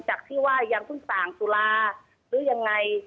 จากที่ว่ายังสุดส่างสุราหรือยังไง